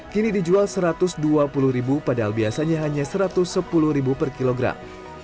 kini dijual rp satu ratus dua puluh padahal biasanya hanya rp satu ratus sepuluh per kilogram